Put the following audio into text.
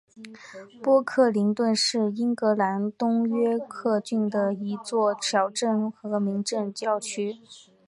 波克灵顿是英格兰东约克郡的一座小镇和民政教区。